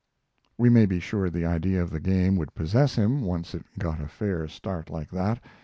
We may be sure the idea of the game would possess him, once it got a fair start like that.